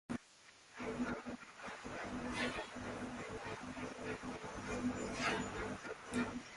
More broadly letterforms may be discussed wherever letters appear stylistically-in graffiti for example.